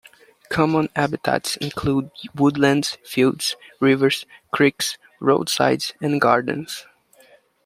Common habitats include woodlands, fields, rivers, creeks, roadsides, and gardens.